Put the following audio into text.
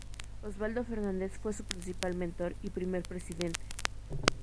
Osvaldo Fernández fue su principal mentor y primer presidente.